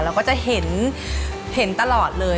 เราก็จะเห็นตลอดเลย